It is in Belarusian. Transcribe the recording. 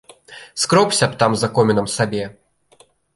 Скробся б там за комінам сабе.